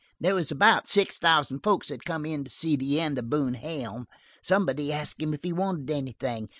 "There was about six thousand folks had come in to see the end of Boone Helm. Somebody asked him if he wanted anything.